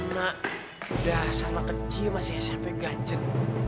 udah sama kecil masih smp gacet